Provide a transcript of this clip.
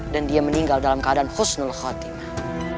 dan dia meninggal dalam keadaan khusnul khatimah